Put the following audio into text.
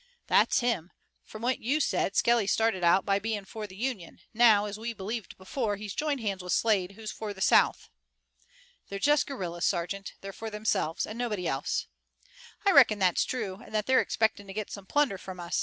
"That's him! From what you said Skelly started out by being for the Union. Now, as we believed before, he's joined hands with Slade who's for the South." "They're just guerrillas, sergeant. They're for themselves and nobody else." "I reckon that's true, and they're expecting to get some plunder from us.